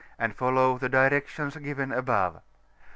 and follow the directions given above.